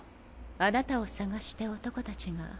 あなたを捜して男たちが。